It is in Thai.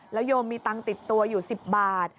โยมมีตังค์ติดตัวอยู่๑๐บาท